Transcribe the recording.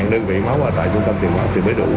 năm đơn vị máu ở tại trung tâm tiền bạc thì mới đủ